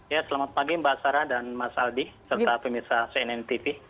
ya selamat pagi mbak sarah dan mas aldi serta pemirsa cnn tv